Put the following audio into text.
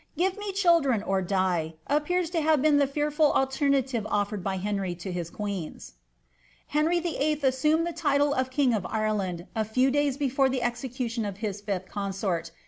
Give me children, or you die," appears to have been the fearful alter native oflfered by Henry to his queens. Henry VIII. assumed the title of king of Ireland a few days before the execution of his fifth consort.